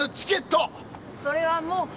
それはもう。